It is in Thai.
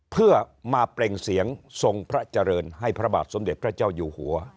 เพื่อมาเปล่งเสียงทรงพระเจริญให้พระบาทสมเด็จพระเจ้าอยู่หัว